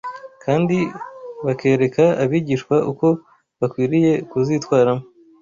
kandi bakereka abigishwa uko bakwiriye kuzitwaramo